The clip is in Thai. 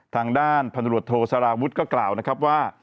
ทางด้านพนับโรทโทสารวุฒิก็กล่าวว่า